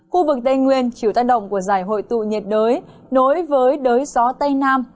khu vực tây nguyên chịu tác động của giải hội tụ nhiệt đới nối với đới gió tây nam